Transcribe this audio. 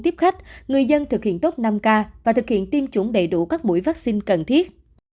tiếp khách người dân thực hiện tốt năm k và thực hiện tiêm chủng đầy đủ các mũi vaccine cần thiết